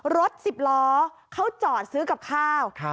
รถ๑๐ล้อเขาจอดซื้อกับข้าว